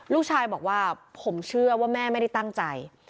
ลูกชายบอกว่าผมเชื่อว่าแม่ไม่ได้ตั้งใจ